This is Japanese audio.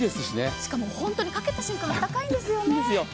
しかも本当にかけた瞬間あったかいですよね。